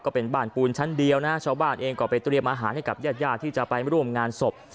ก็เป็นบ้านปูนชั้นเดียวนะชาวบ้านเองก็ไปเตรียมอาหารให้กับญาติญาติที่จะไปร่วมงานศพ